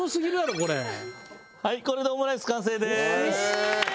これでオムライス完成です。